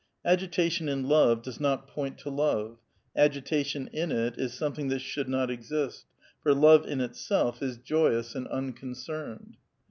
Agitation in love does not point to love ; agitation in it is something that should not exist, for love in itself is joyous and unconcerned.